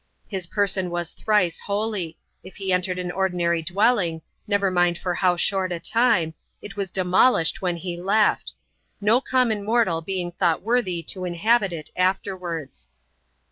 His person v/as thrice holy ; if he entered an ordinary dwelling, never mind for how short a time, it was demolish^ when he left; no common mortal being thought worthy to inhabit it afterwards.